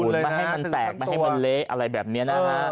ไม่ให้มันแตกไม่ให้มันเละอะไรแบบนี้นะฮะ